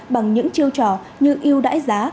bằng những chiêu trò như yêu đáy giá